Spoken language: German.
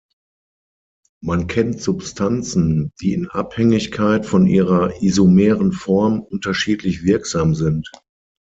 Man kennt Substanzen, die in Abhängigkeit von ihrer isomeren Form unterschiedlich wirksam sind.